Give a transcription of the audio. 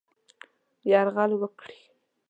یرغل وکړي.